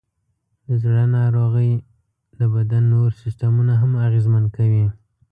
د زړه ناروغۍ د بدن نور سیستمونه هم اغېزمن کوي.